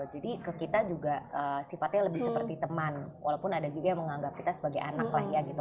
jadi ke kita juga sifatnya lebih seperti teman walaupun ada juga yang menganggap kita sebagai anak lah ya gitu